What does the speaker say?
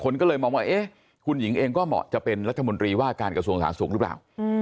ก็เลยมองว่าเอ๊ะคุณหญิงเองก็เหมาะจะเป็นรัฐมนตรีว่าการกระทรวงสาธารณสุขหรือเปล่า